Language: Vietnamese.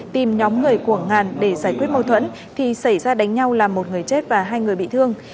tìm nhóm người của ngàn để giải quyết mâu thuẫn thì xảy ra đánh nhau làm một người chết và hai người bị thương